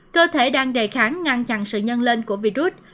cơ thể đang đề kháng ngăn chặn sự nhân lên của virus